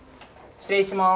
失礼します。